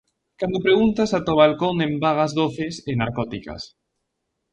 Cando preguntas ata o balcón en vagas doces e narcóticas.